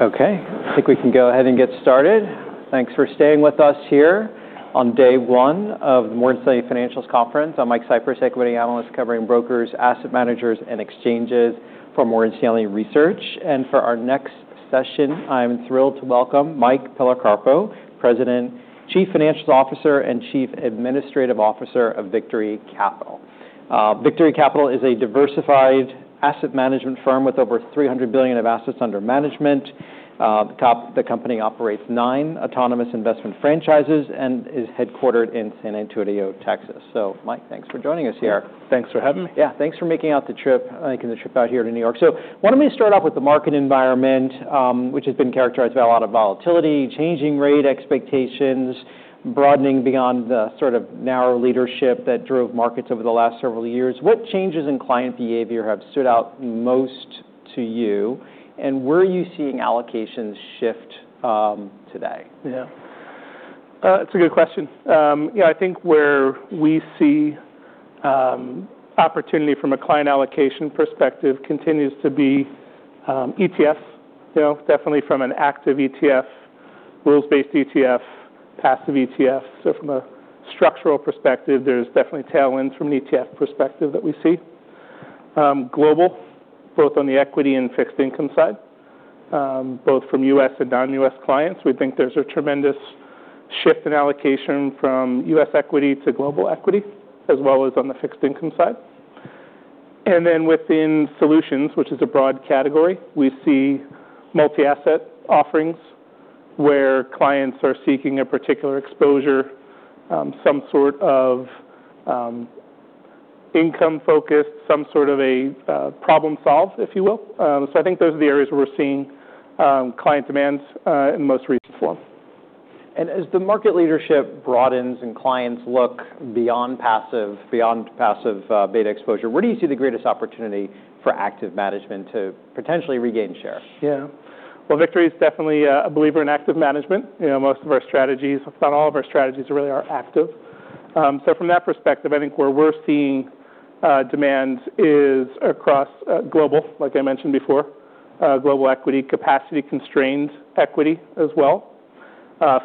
Okay. I think we can go ahead and get started. Thanks for staying with us here on day one of the Morgan Stanley Financials Conference. I'm Mike Cyprys, Equity Analyst covering brokers, asset managers, and exchanges for Morgan Stanley Research. For our next session, I am thrilled to welcome Mike Policarpo, President, Chief Financial Officer, and Chief Administrative Officer of Victory Capital. Victory Capital is a diversified asset management firm with over $300 billion of assets under management. The company operates nine autonomous investment franchises and is headquartered in San Antonio, Texas. Mike, thanks for joining us here. Yeah. Thanks for having me. Yeah, thanks for making the trip out here to New York. Why don't we start off with the market environment, which has been characterized by a lot of volatility, changing rate expectations, broadening beyond the sort of narrow leadership that drove markets over the last several years. What changes in client behavior have stood out most to you, and where are you seeing allocations shift today? Yeah. That's a good question. I think where we see opportunity from a client allocation perspective continues to be ETFs, definitely from an active ETF, rules-based ETF, passive ETF. From a structural perspective, there's definitely tailwinds from an ETF perspective that we see. Global, both on the equity and fixed income side, both from U.S. and non-U.S. clients. We think there's a tremendous shift in allocation from U.S. equity to global equity, as well as on the fixed income side. Then within solutions, which is a broad category, we see multi-asset offerings where clients are seeking a particular exposure, some sort of income-focused, some sort of a problem solve, if you will. I think those are the areas where we're seeing client demands in most recent form. As the market leadership broadens and clients look beyond passive beta exposure, where do you see the greatest opportunity for active management to potentially regain share? Yeah. Well, Victory is definitely a believer in active management. Most of our strategies, if not all of our strategies, really are active. From that perspective, I think where we're seeing demand is across global, like I mentioned before, global equity capacity-constrained equity as well.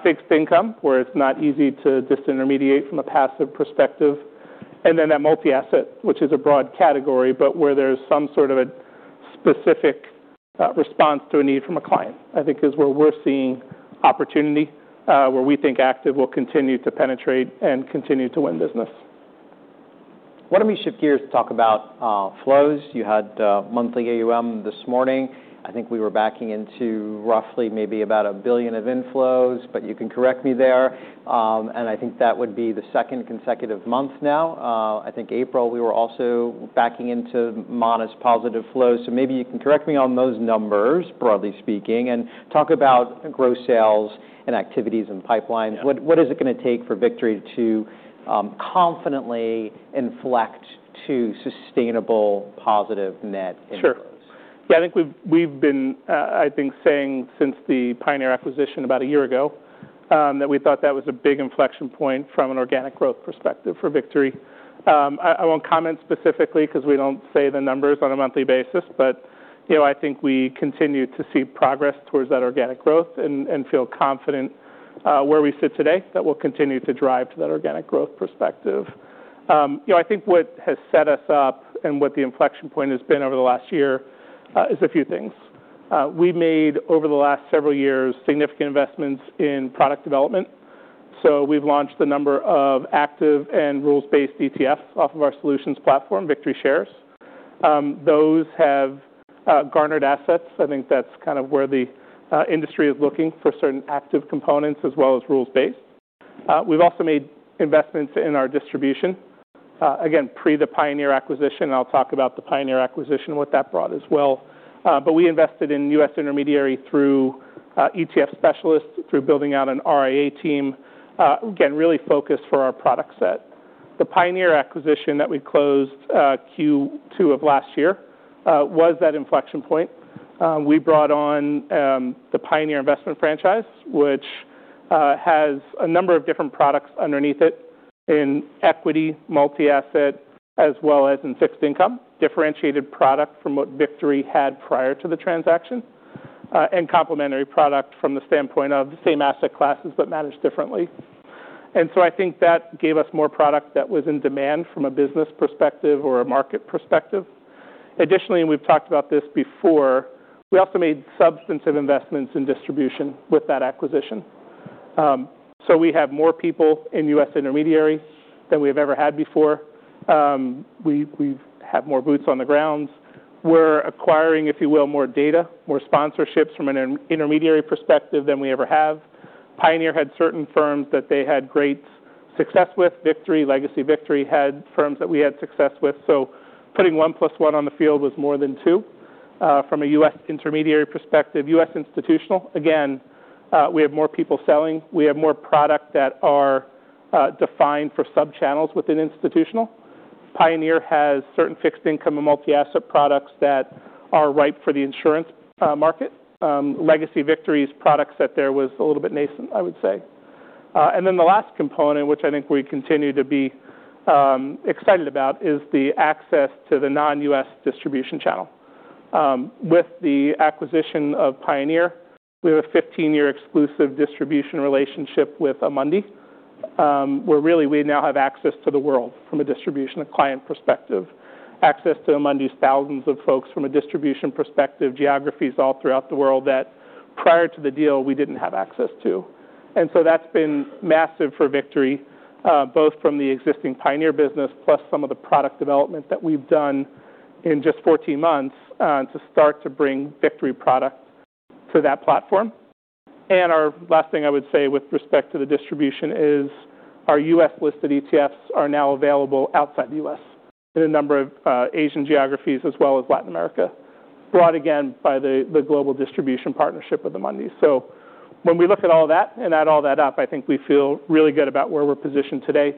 Fixed income, where it's not easy to disintermediate from a passive perspective. That multi-asset, which is a broad category, but where there's some sort of a specific response to a need from a client, I think is where we're seeing opportunity, where we think active will continue to penetrate and continue to win business. Why don't we shift gears to talk about flows. You had monthly AUM this morning. I think we were backing into roughly maybe about $1 billion of inflows, but you can correct me there. I think that would be the second consecutive month now. I think April, we were also backing into modest positive flows. Maybe you can correct me on those numbers, broadly speaking, and talk about gross sales and activities and pipelines. Yeah. What is it going to take for Victory to confidently inflect to sustainable positive net inflows? Sure. I think we've been, I think, saying since the Pioneer acquisition about one year ago, that we thought that was a big inflection point from an organic growth perspective for Victory. I won't comment specifically because we don't say the numbers on a monthly basis, but I think we continue to see progress towards that organic growth and feel confident where we sit today that we'll continue to drive to that organic growth perspective. I think what has set us up and what the inflection point has been over the last year is a few things. We've made, over the last several years, significant investments in product development, so we've launched a number of active and rules-based ETFs off of our solutions platform, VictoryShares. Those have garnered assets. I think that's kind of where the industry is looking for certain active components as well as rules-based. We've also made investments in our distribution. Again, pre the Pioneer acquisition, I'll talk about the Pioneer acquisition and what that brought as well. We invested in U.S. intermediary through ETF specialists, through building out an RIA team, again, really focused for our product set. The Pioneer acquisition that we closed Q2 of last year was that inflection point. We brought on the Pioneer investment franchise, which has a number of different products underneath it in equity, multi-asset, as well as in fixed income, differentiated product from what Victory had prior to the transaction, and complementary product from the standpoint of the same asset classes, but managed differently. I think that gave us more product that was in demand from a business perspective or a market perspective. Additionally, we've talked about this before, we also made substantive investments in distribution with that acquisition. We have more people in U.S. intermediary than we've ever had before. We have more boots on the ground. We're acquiring, if you will, more data, more sponsorships from an intermediary perspective than we ever have. Pioneer had certain firms that they had great success with. Victory, legacy Victory, had firms that we had success with. Putting 1+1 on the field was more than 2. From a U.S. intermediary perspective, U.S. institutional, again, we have more people selling. We have more product that are defined for sub-channels within institutional. Pioneer has certain fixed income and multi-asset products that are ripe for the insurance market. Legacy Victory's products set there was a little bit nascent, I would say. The last component, which I think we continue to be excited about, is the access to the non-U.S. distribution channel. With the acquisition of Pioneer, we have a 15-year exclusive distribution relationship with Amundi, where really we now have access to the world from a distribution and client perspective, access to Amundi's thousands of folks from a distribution perspective, geographies all throughout the world that prior to the deal we didn't have access to. That's been massive for Victory, both from the existing Pioneer business plus some of the product development that we've done in just 14 months to start to bring Victory product to that platform. Our last thing I would say with respect to the distribution is our U.S.-listed ETFs are now available outside the U.S. in a number of Asian geographies as well as Latin America, brought again by the global distribution partnership with Amundi. When we look at all that and add all that up, I think we feel really good about where we're positioned today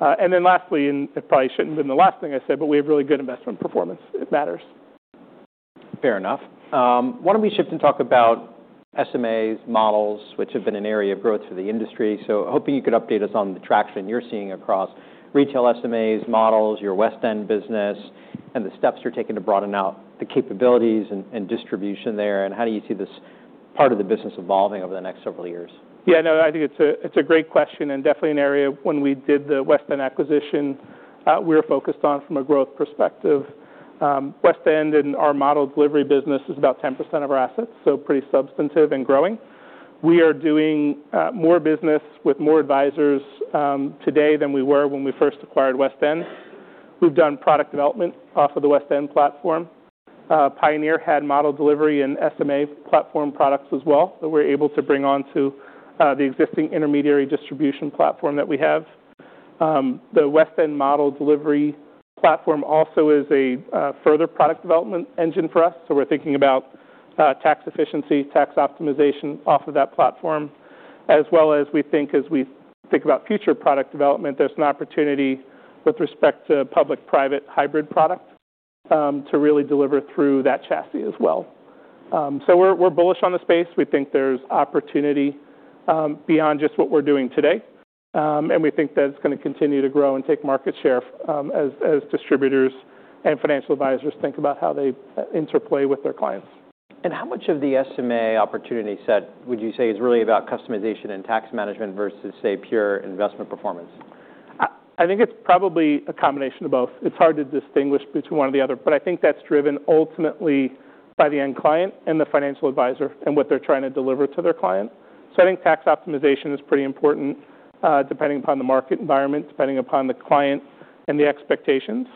and then lastly, it probably shouldn't have been the last thing I said, we have really good investment performance. It matters. Fair enough. Why don't we shift and talk about SMAs, models, which have been an area of growth for the industry. Hoping you could update us on the traction you're seeing across retail SMAs, models, your WestEnd business, the steps you're taking to broaden out the capabilities and distribution there, how do you see this part of the business evolving over the next several years? Yeah, no, I think it's a great question, definitely an area when we did the WestEnd acquisition, we were focused on from a growth perspective. WestEnd and our model delivery business is about 10% of our assets, pretty substantive and growing. We are doing more business with more advisors today than we were when we first acquired WestEnd. We've done product development off of the WestEnd platform. Pioneer had model delivery and SMA platform products as well, that we're able to bring onto the existing intermediary distribution platform that we have. The WestEnd model delivery platform also is a further product development engine for us, so we're thinking about tax efficiency, tax optimization off of that platform, as well as we think about future product development, there's an opportunity with respect to public-private hybrid products, to really deliver through that chassis as well. We're bullish on the space. We think there's opportunity beyond just what we're doing today, and we think that it's going to continue to grow and take market share as distributors and financial advisors think about how they interplay with their clients. How much of the SMA opportunity set would you say is really about customization and tax management versus, say, pure investment performance? I think it's probably a combination of both. It's hard to distinguish between one or the other, but I think that's driven ultimately by the end client and the financial advisor and what they're trying to deliver to their client. I think tax optimization is pretty important, depending upon the market environment, depending upon the client and the expectations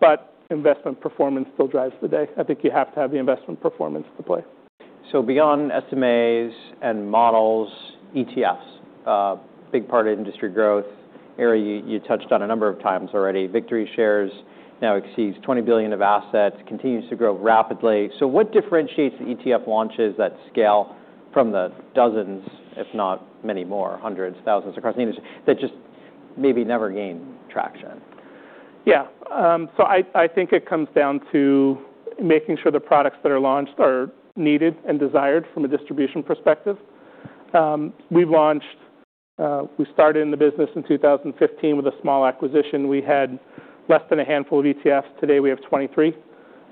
but investment performance still drives the day. I think you have to have the investment performance to play. Beyond SMAs and models, ETFs, a big part of industry growth. Area you touched on a number of times already. VictoryShares now exceeds $20 billion of assets, continues to grow rapidly. What differentiates the ETF launches at scale from the dozens, if not many more, hundreds, thousands across the industry that just maybe never gain traction? I think it comes down to making sure the products that are launched are needed and desired from a distribution perspective. We started in the business in 2015 with a small acquisition. We had less than a handful of ETFs. Today, we have 2023.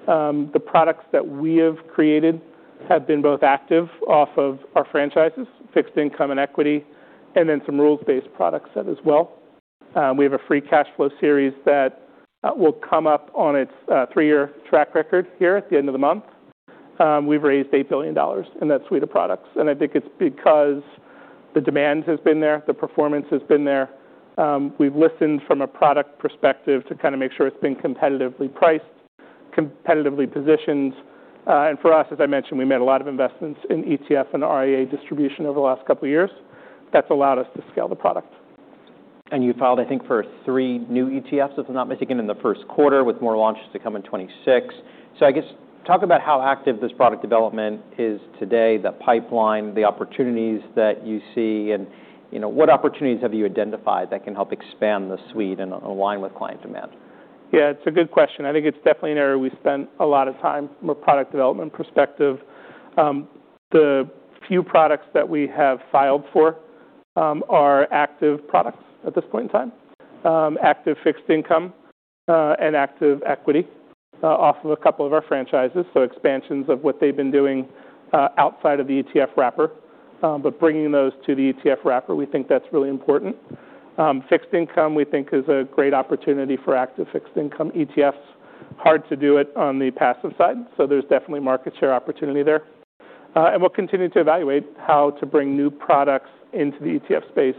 The products that we have created have been both active off of our franchises, fixed income and equity, and then some rules-based products set as well. We have a free cash flow series that will come up on its three-year track record here at the end of the month. We've raised $8 billion in that suite of products, and I think it's because the demand has been there, the performance has been there. We've listened from a product perspective to make sure it's been competitively priced, competitively positioned. For us, as I mentioned, we made a lot of investments in ETF and RIA distribution over the last couple of years. That's allowed us to scale the product. You filed, I think, for three new ETFs, if I'm not mistaken, in the first quarter, with more launches to come in 2026. I guess, talk about how active this product development is today, the pipeline, the opportunities that you see, and what opportunities have you identified that can help expand the suite and align with client demand? Yeah, it's a good question. I think it's definitely an area we've spent a lot of time from a product development perspective. The few products that we have filed for are active products at this point in time, active fixed income, and active equity, off of a couple of our franchises, so expansions of what they've been doing outside of the ETF wrapper. Bringing those to the ETF wrapper, we think that's really important. Fixed income, we think, is a great opportunity for active fixed income ETFs. Hard to do it on the passive side, so there's definitely market share opportunity there. We'll continue to evaluate how to bring new products into the ETF space.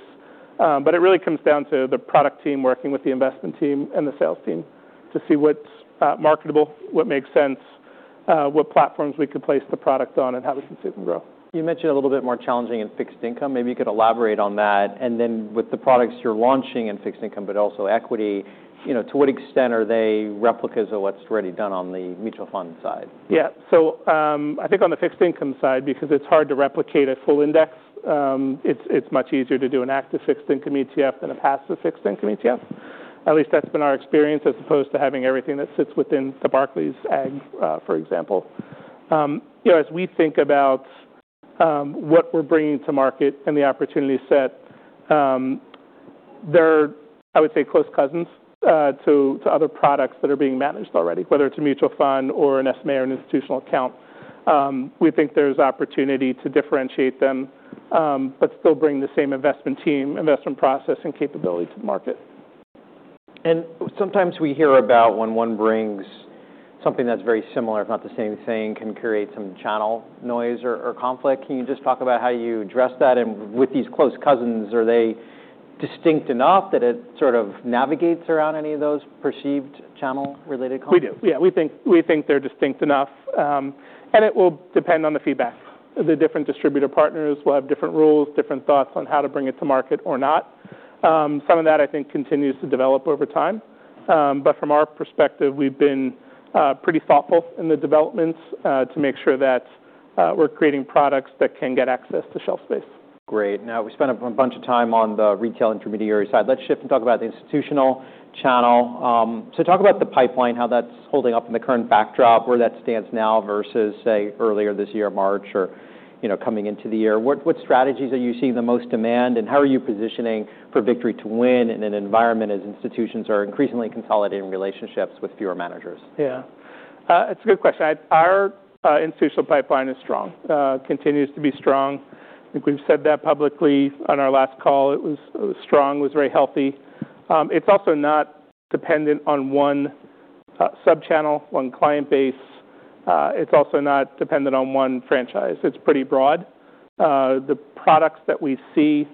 It really comes down to the product team working with the investment team and the sales team to see what's marketable, what makes sense, what platforms we could place the product on, and how we can see it can grow. You mentioned a little bit more challenging in fixed income. Maybe you could elaborate on that. With the products you're launching in fixed income, but also equity, to what extent are they replicas of what's already done on the mutual fund side? Yeah. I think on the fixed income side, because it's hard to replicate a full index, it's much easier to do an active fixed income ETF than a passive fixed income ETF. At least that's been our experience, as opposed to having everything that sits within the Barclays Agg, for example. As we think about what we're bringing to market and the opportunity set, they're, I would say, close cousins to other products that are being managed already, whether it's a mutual fund or an SMA or an institutional account. We think there's opportunity to differentiate them, but still bring the same investment team, investment process, and capability to market. Sometimes we hear about when one brings something that's very similar, if not the same thing, can create some channel noise or conflict. Can you just talk about how you address that? With these close cousins, are they distinct enough that it sort of navigates around any of those perceived channel-related conflicts? We do. Yeah, we think they're distinct enough, and it will depend on the feedback. The different distributor partners will have different rules, different thoughts on how to bring it to market or not. Some of that, I think, continues to develop over time. From our perspective, we've been pretty thoughtful in the developments to make sure that we're creating products that can get access to shelf space. Great. We spent a bunch of time on the retail intermediary side. Let's shift and talk about the institutional channel. Talk about the pipeline, how that's holding up in the current backdrop, where that stands now versus, say, earlier this year, March or coming into the year. What strategies are you seeing the most demand, and how are you positioning for Victory to win in an environment as institutions are increasingly consolidating relationships with fewer managers? Yeah. It's a good question. Our institutional pipeline is strong, continues to be strong. I think we've said that publicly on our last call. It was strong, was very healthy. It's also not dependent on one sub-channel, one client base. It's also not dependent on one franchise. It's pretty broad. The products that we see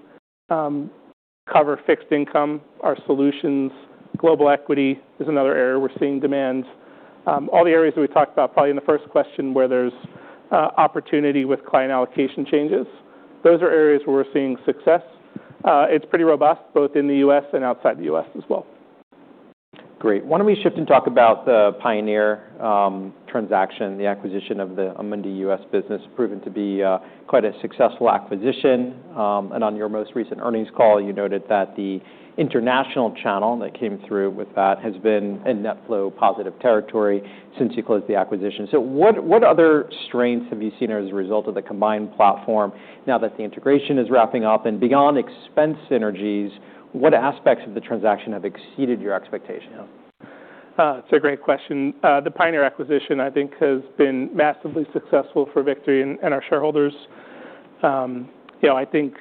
cover fixed income are solutions. Global equity is another area we're seeing demand. All the areas that we talked about probably in the first question, where there's opportunity with client allocation changes, those are areas where we're seeing success. It's pretty robust, both in the U.S. and outside the U.S. as well. Great. Why don't we shift and talk about the Pioneer transaction, the acquisition of the Amundi U.S. business, proven to be quite a successful acquisition. On your most recent earnings call, you noted that the international channel that came through with that has been in net flow positive territory since you closed the acquisition. What other strengths have you seen as a result of the combined platform now that the integration is wrapping up? Beyond expense synergies, what aspects of the transaction have exceeded your expectations? It's a great question. The Pioneer acquisition, I think, has been massively successful for Victory and our shareholders. I think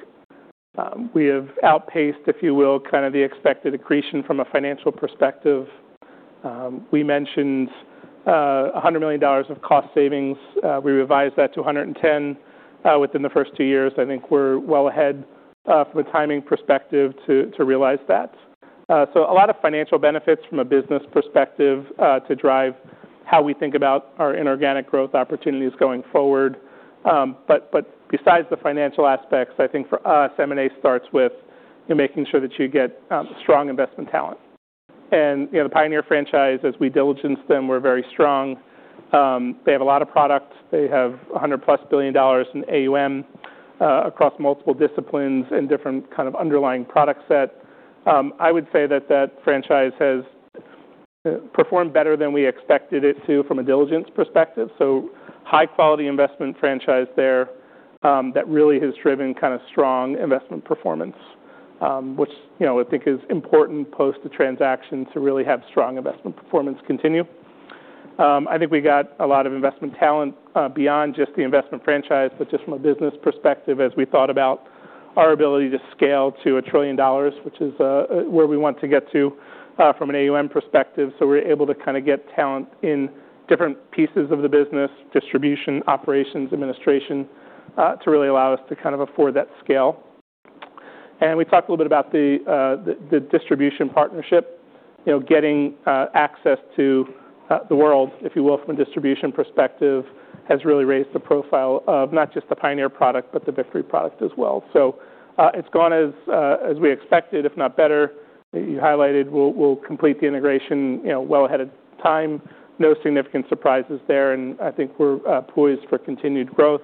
we have outpaced, if you will, kind of the expected accretion from a financial perspective. We mentioned $100 million of cost savings. We revised that to $110 within the first two years. I think we're well ahead from a timing perspective to realize that. A lot of financial benefits from a business perspective to drive how we think about our inorganic growth opportunities going forward. Besides the financial aspects, I think for us, M&A starts with making sure that you get strong investment talent. The Pioneer franchise, as we diligenced them, were very strong. They have a lot of products. They have $100+ billion in AUM across multiple disciplines and different kind of underlying product set. I would say that that franchise has performed better than we expected it to from a diligence perspective. High-quality investment franchise there that really has driven strong investment performance, which I think is important post the transaction to really have strong investment performance continue. I think we got a lot of investment talent beyond just the investment franchise, but just from a business perspective, as we thought about our ability to scale to $1 trillion, which is where we want to get to from an AUM perspective. We're able to get talent in different pieces of the business, distribution, operations, administration, to really allow us to afford that scale. We talked a little bit about the distribution partnership. Getting access to the world, if you will, from a distribution perspective, has really raised the profile of not just the Pioneer product, but the Victory product as well. It's gone as we expected, if not better. You highlighted we'll complete the integration well ahead of time. No significant surprises there. I think we're poised for continued growth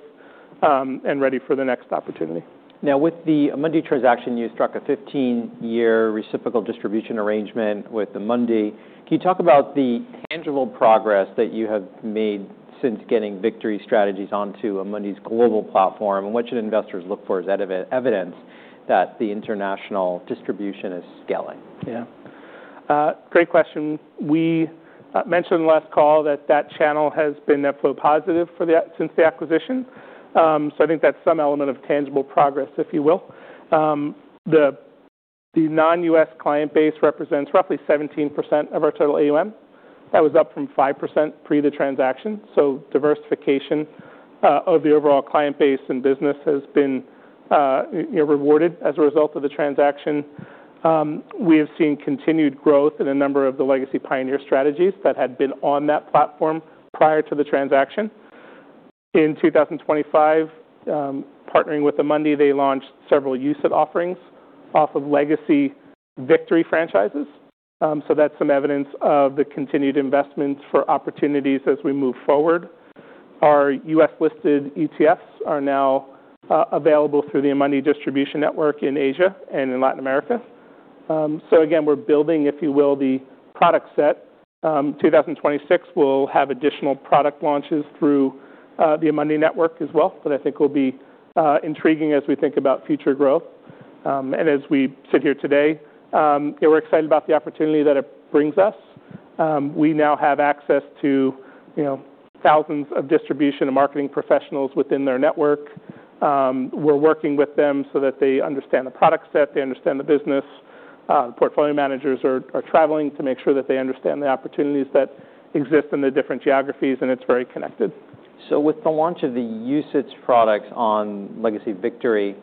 and ready for the next opportunity. With the Amundi transaction, you struck a 15-year reciprocal distribution arrangement with Amundi. Can you talk about the tangible progress that you have made since getting Victory strategies onto Amundi's global platform? What should investors look for as evidence that the international distribution is scaling? Yeah. Great question. We mentioned last call that that channel has been net flow positive since the acquisition. I think that's some element of tangible progress, if you will. The non-U.S. client base represents roughly 17% of our total AUM. That was up from 5% pre the transaction. Diversification of the overall client base and business has been rewarded as a result of the transaction. We have seen continued growth in a number of the legacy Pioneer strategies that had been on that platform prior to the transaction. In 2025, partnering with Amundi, they launched several USIP offerings off of legacy Victory franchises. That's some evidence of the continued investments for opportunities as we move forward. Our U.S.-listed ETFs are now available through the Amundi distribution network in Asia and in Latin America. Again, we're building, if you will, the product set. 2026, we'll have additional product launches through the Amundi network as well that I think will be intriguing as we think about future growth. As we sit here today, yeah, we're excited about the opportunity that it brings us. We now have access to thousands of distribution and marketing professionals within their network. We're working with them so that they understand the product set, they understand the business. Portfolio managers are traveling to make sure that they understand the opportunities that exist in the different geographies and it's very connected. With the launch of the UCITS products on legacy Victory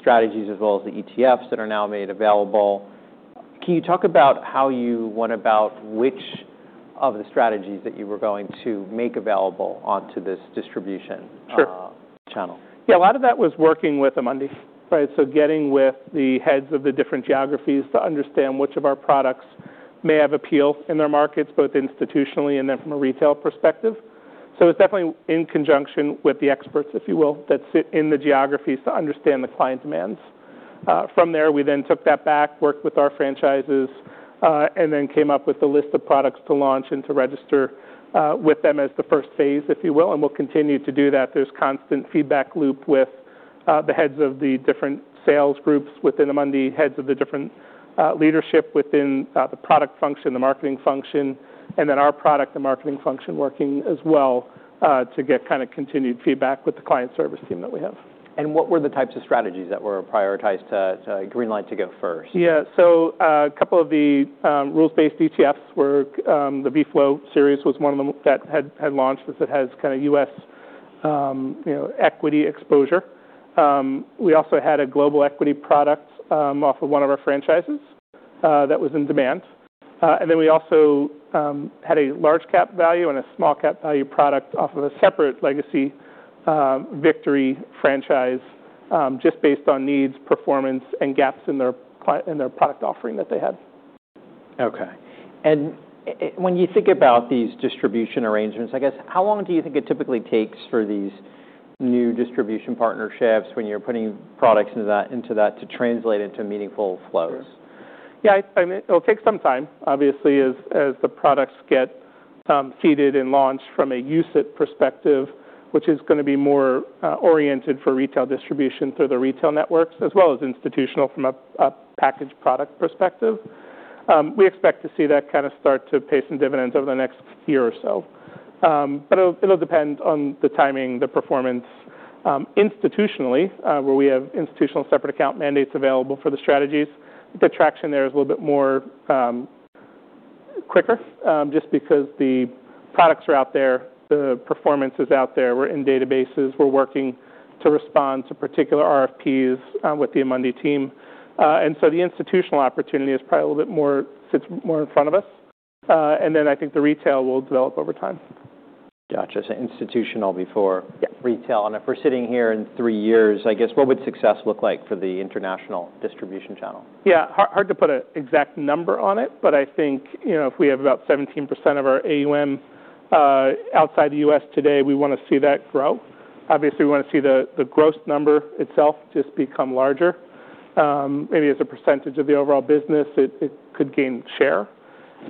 strategies as well as the ETFs that are now made available, can you talk about how you went about which of the strategies that you were going to make available onto this distribution- Sure. ...channel? Yeah. A lot of that was working with Amundi, right? Getting with the heads of the different geographies to understand which of our products may have appeal in their markets, both institutionally and then from a retail perspective. It's definitely in conjunction with the experts, if you will, that sit in the geographies to understand the client demands. From there, we then took that back, worked with our franchises, and then came up with a list of products to launch and to register with them as the first phase, if you will. We'll continue to do that. There's constant feedback loop with the heads of the different sales groups within Amundi, heads of the different leadership within the product function, the marketing function, and then our product, the marketing function, working as well, to get continued feedback with the client service team that we have. What were the types of strategies that were prioritized to green-light to go first? Yeah. A couple of the rules-based ETFs, the VFLO series was one of them that had launched that has U.S. equity exposure. We also had a global equity product off of one of our franchises that was in demand. We also had a large cap value and a small cap value product off of a separate legacy Victory franchise, just based on needs, performance, and gaps in their product offering that they had. Okay. When you think about these distribution arrangements, I guess, how long do you think it typically takes for these new distribution partnerships when you're putting products into that to translate into meaningful flows? Yeah. It'll take some time, obviously, as the products get seeded and launched from a UCITS perspective, which is going to be more oriented for retail distribution through the retail networks, as well as institutional from a packaged product perspective. We expect to see that start to pay some dividends over the next year or so. It'll depend on the timing, the performance. Institutionally, where we have institutional separate account mandates available for the strategies, the traction there is a little bit more quicker, just because the products are out there, the performance is out there. We're in databases. We're working to respond to particular RFPs with the Amundi team. The institutional opportunity is probably a little bit more, sits more in front of us. I think the retail will develop over time. Got you. Institutional before- Yeah. ...retail. If we're sitting here in three years, I guess, what would success look like for the international distribution channel? Yeah. Hard to put an exact number on it, but I think if we have about 17% of our AUM outside the U.S. today, we want to see that grow. Obviously, we want to see the gross number itself just become larger. Maybe as a percentage of the overall business, it could gain share.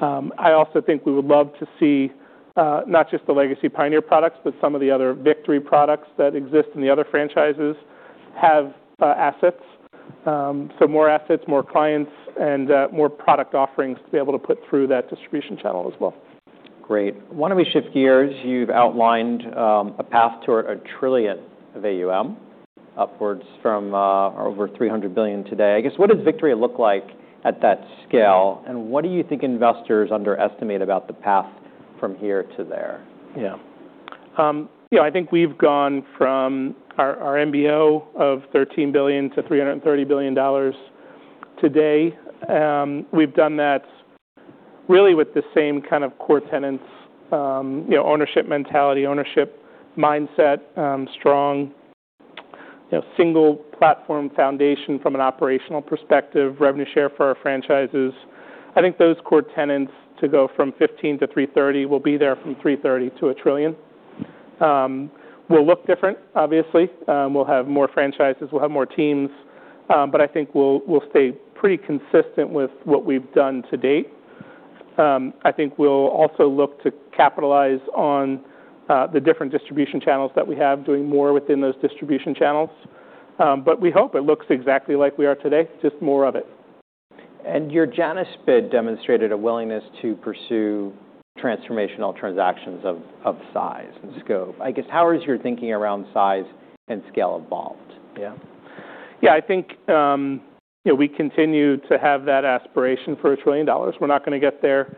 I also think we would love to see not just the legacy Pioneer products, but some of the other Victory products that exist in the other franchises have assets. More assets, more clients, and more product offerings to be able to put through that distribution channel as well. Great. Why don't we shift gears? You've outlined a path to $1 trillion of AUM, upwards from over $300 billion today. I guess, what does Victory look like at that scale, and what do you think investors underestimate about the path from here to there? Yeah. I think we've gone from our MBO of $13 billion to $330 billion today. We've done that really with the same kind of core tenets, ownership mentality, ownership mindset, strong single platform foundation from an operational perspective, revenue share for our franchises. I think those core tenets to go from $15 billion to $330 billion, we'll be there from $330 billion to $1 trillion. We'll look different, obviously. We'll have more franchises. We'll have more teams. I think we'll stay pretty consistent with what we've done to date. I think we'll also look to capitalize on the different distribution channels that we have, doing more within those distribution channels. We hope it looks exactly like we are today, just more of it. Your Janus bid demonstrated a willingness to pursue transformational transactions of size and scope. How has your thinking around size and scale evolved? I think we continue to have that aspiration for $1 trillion. We're not going to get there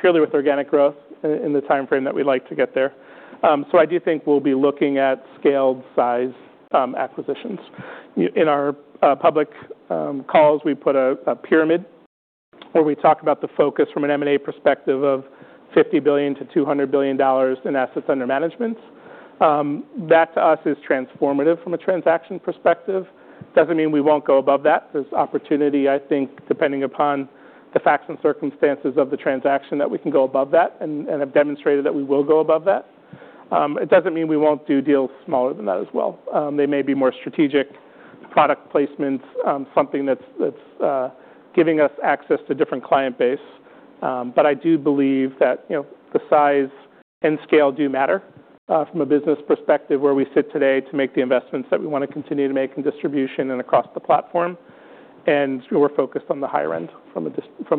purely with organic growth in the timeframe that we'd like to get there. I do think we'll be looking at scaled-size acquisitions. In our public calls, we put a pyramid where we talk about the focus from an M&A perspective of $50 billion-$200 billion in assets under management. That, to us, is transformative from a transaction perspective. It doesn't mean we won't go above that. There's opportunity, I think, depending upon the facts and circumstances of the transaction that we can go above that and have demonstrated that we will go above that. It doesn't mean we won't do deals smaller than that as well. They may be more strategic product placements, something that's giving us access to different client base. I do believe that the size and scale do matter from a business perspective, where we sit today to make the investments that we want to continue to make in distribution and across the platform. We're focused on the higher end from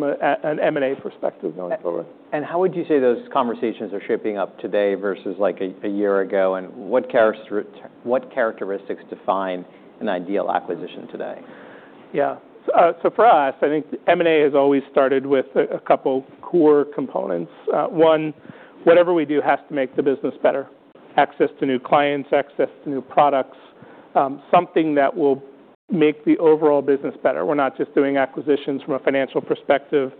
an M&A perspective going forward. How would you say those conversations are shaping up today versus a year ago? What characteristics define an ideal acquisition today? Yeah. For us, I think M&A has always started with a couple core components. One, whatever we do has to make the business better. Access to new clients, access to new products, something that will make the overall business better. We're not just doing acquisitions from a financial perspective,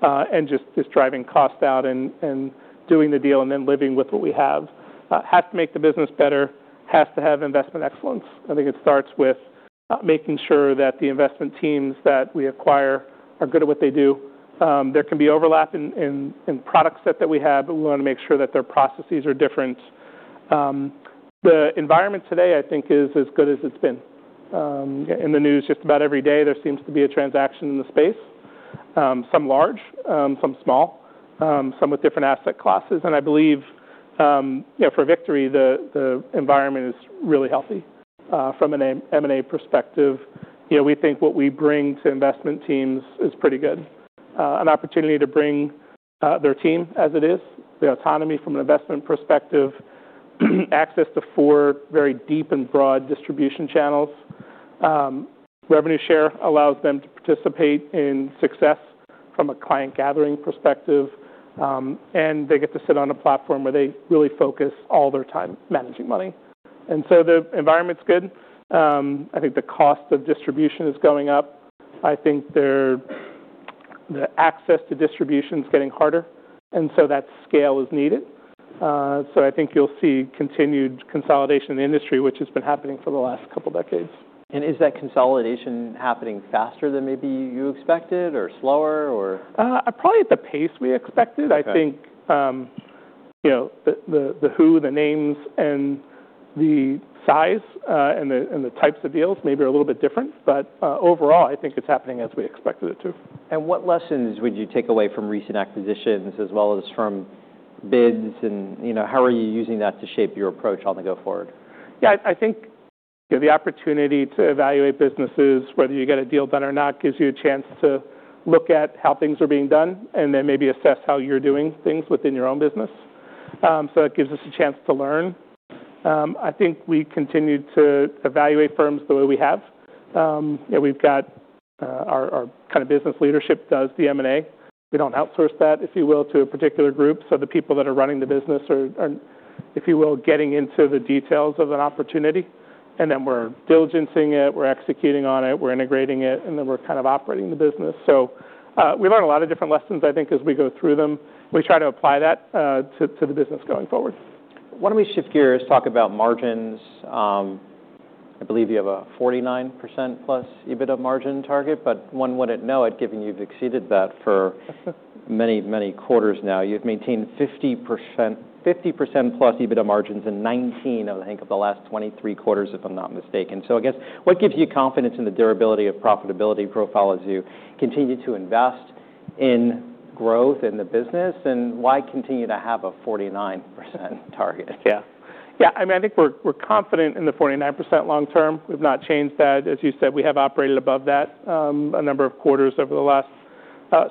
and just driving cost out and doing the deal and then living with what we have. Has to make the business better, has to have investment excellence. I think it starts with making sure that the investment teams that we acquire are good at what they do. There can be overlap in product set that we have, but we want to make sure that their processes are different. The environment today, I think is as good as it's been. In the news just about every day, there seems to be a transaction in the space. Some large, some small, some with different asset classes. I believe, for Victory, the environment is really healthy from an M&A perspective. We think what we bring to investment teams is pretty good. An opportunity to bring their team as it is, the autonomy from an investment perspective, access to four very deep and broad distribution channels. Revenue share allows them to participate in success from a client gathering perspective. They get to sit on a platform where they really focus all their time managing money. The environment's good. I think the cost of distribution is going up. I think the access to distribution's getting harder, and so that scale is needed. I think you'll see continued consolidation in the industry, which has been happening for the last couple decades. Is that consolidation happening faster than maybe you expected or slower or? Probably at the pace we expected. Okay. I think the who, the names, and the size, and the types of deals may be a little bit different but overall, I think it's happening as we expected it to. What lessons would you take away from recent acquisitions as well as from bids and how are you using that to shape your approach on the go forward? Yeah, I think the opportunity to evaluate businesses, whether you get a deal done or not, gives you a chance to look at how things are being done and then maybe assess how you're doing things within your own business. That gives us a chance to learn. I think we continue to evaluate firms the way we have. We've got our kind of business leadership does the M&A. We don't outsource that, if you will, to a particular group. The people that are running the business are, if you will, getting into the details of an opportunity, and then we're diligencing it, we're executing on it, we're integrating it, and then we're kind of operating the business. We learn a lot of different lessons, I think, as we go through them. We try to apply that to the business going forward. Why don't we shift gears, talk about margins. I believe you have a 49%+ EBITDA margin target, but one wouldn't know it, given you've exceeded that for many, many quarters now. You've maintained 50%+ EBITDA margins in 2019, I think, of the last 23 quarters, if I'm not mistaken. I guess what gives you confidence in the durability of profitability profile as you continue to invest in growth in the business, and why continue to have a 49% target? Yeah. I think we're confident in the 49% long term. We've not changed that. As you said, we have operated above that a number of quarters over the last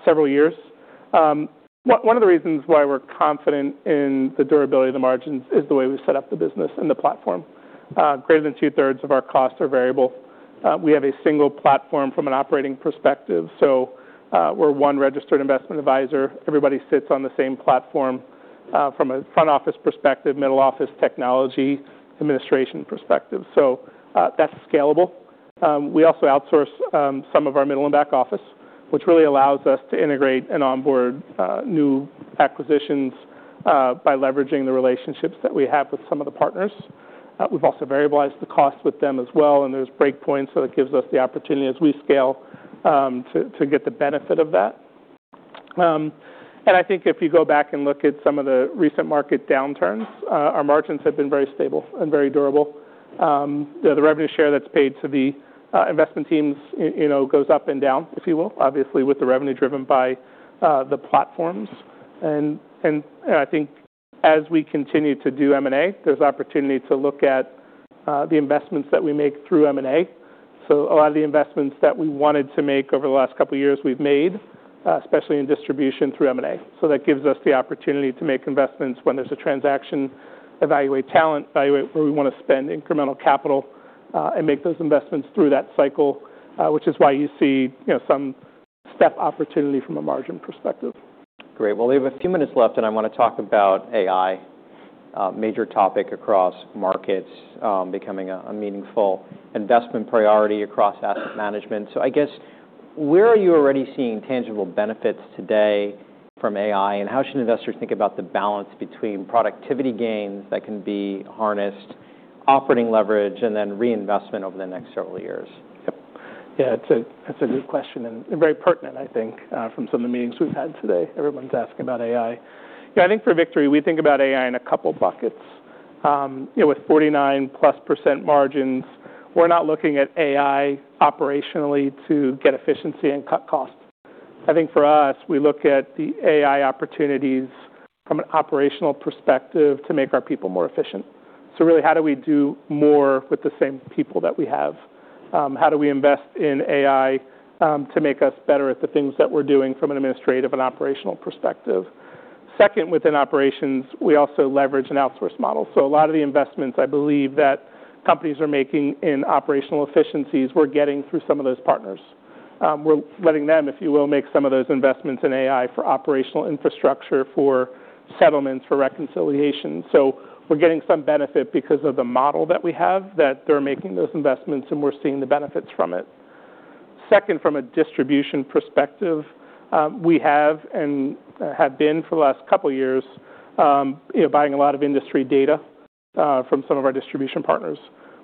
several years. One of the reasons why we're confident in the durability of the margins is the way we set up the business and the platform. Greater than 2/3 of our costs are variable. We have a single platform from an operating perspective, we're one registered investment advisor. Everybody sits on the same platform, from a front office perspective, middle office technology, administration perspective. That's scalable. We also outsource some of our middle and back office, which really allows us to integrate and onboard new acquisitions, by leveraging the relationships that we have with some of the partners. We've also variabilized the cost with them as well, there's break points, it gives us the opportunity as we scale to get the benefit of that. I think if you go back and look at some of the recent market downturns, our margins have been very stable and very durable. The revenue share that's paid to the investment teams goes up and down, if you will. Obviously, with the revenue driven by the platforms. I think as we continue to do M&A, there's opportunity to look at the investments that we make through M&A. A lot of the investments that we wanted to make over the last couple of years we've made, especially in distribution through M&A. That gives us the opportunity to make investments when there's a transaction, evaluate talent, evaluate where we want to spend incremental capital, and make those investments through that cycle, which is why you see some step opportunity from a margin perspective. Great. Well, we have a few minutes left and I want to talk about AI. Major topic across markets, becoming a meaningful investment priority across asset management. I guess where are you already seeing tangible benefits today from AI, and how should investors think about the balance between productivity gains that can be harnessed operating leverage and then reinvestment over the next several years. That's a good question, and very pertinent, I think, from some of the meetings we've had today. Everyone's asking about AI. I think for Victory, we think about AI in a couple buckets. With 49+% margins, we're not looking at AI operationally to get efficiency and cut costs. I think for us, we look at the AI opportunities from an operational perspective to make our people more efficient. How do we do more with the same people that we have? How do we invest in AI to make us better at the things that we're doing from an administrative and operational perspective? Second, within operations, we also leverage an outsource model. A lot of the investments, I believe, that companies are making in operational efficiencies, we're getting through some of those partners. We're letting them, if you will, make some of those investments in AI for operational infrastructure, for settlements, for reconciliation. We're getting some benefit because of the model that we have, that they're making those investments, and we're seeing the benefits from it. Second, from a distribution perspective, we have and have been for the last two years buying a lot of industry data from some of our distribution partners.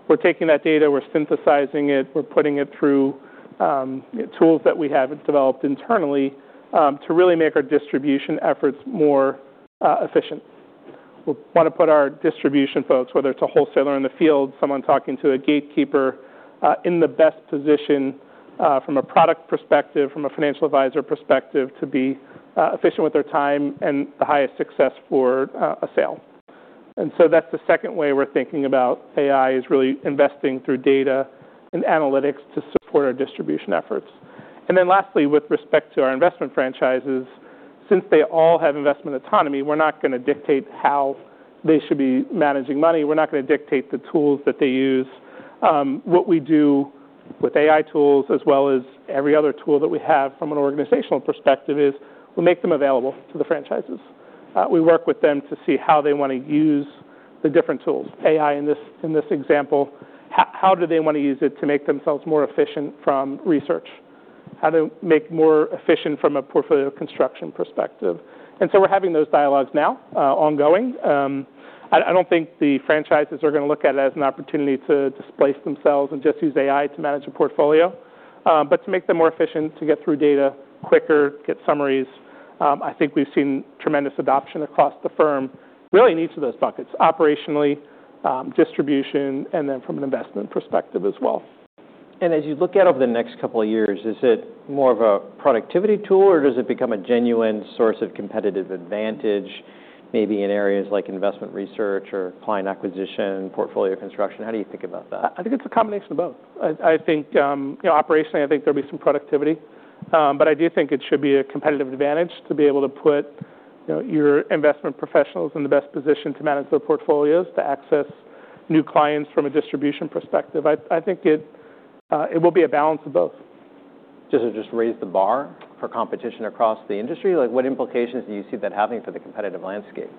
We're taking that data, we're synthesizing it, we're putting it through tools that we have developed internally to really make our distribution efforts more efficient. We want to put our distribution folks, whether it's a wholesaler in the field, someone talking to a gatekeeper, in the best position from a product perspective, from a financial advisor perspective, to be efficient with their time and the highest success for a sale and so that's the second way we're thinking about AI, is really investing through data and analytics to support our distribution efforts. Lastly, with respect to our investment franchises, since they all have investment autonomy, we're not going to dictate how they should be managing money. We're not going to dictate the tools that they use. What we do with AI tools as well as every other tool that we have from an organizational perspective is we make them available to the franchises. We work with them to see how they want to use the different tools. AI, in this example, how do they want to use it to make themselves more efficient from research? How to make more efficient from a portfolio construction perspective. We're having those dialogues now, ongoing. I don't think the franchises are going to look at it as an opportunity to displace themselves and just use AI to manage a portfolio. To make them more efficient, to get through data quicker, get summaries. I think we've seen tremendous adoption across the firm, really in each of those buckets, operationally, distribution, and then from an investment perspective as well. As you look out over the next couple of years, is it more of a productivity tool, or does it become a genuine source of competitive advantage, maybe in areas like investment research or client acquisition, portfolio construction? How do you think about that? I think it's a combination of both. I think operationally, I think there'll be some productivity. I do think it should be a competitive advantage to be able to put your investment professionals in the best position to manage their portfolios, to access new clients from a distribution perspective. I think it will be a balance of both. Does it just raise the bar for competition across the industry? What implications do you see that having for the competitive landscape?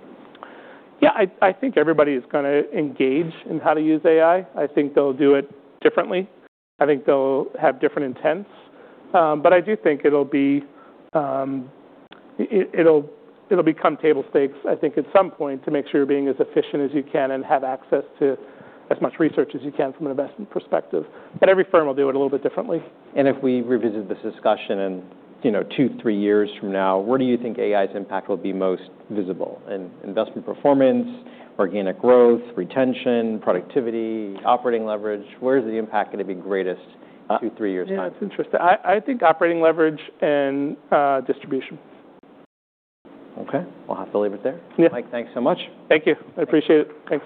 Yeah. I think everybody is going to engage in how to use AI. I think they'll do it differently. I think they'll have different intents. I do think it'll become table stakes, I think at some point, to make sure you're being as efficient as you can and have access to as much research as you can from an investment perspective. Every firm will do it a little bit differently. If we revisit this discussion in two, three years from now, where do you think AI's impact will be most visible? In investment performance, organic growth, retention, productivity, operating leverage. Where is the impact going to be greatest two, three years' time? Yeah. It's interesting. I think operating leverage and distribution. Okay. We'll have to leave it there. Yeah. Mike, thanks so much. Thank you. I appreciate it. Thanks.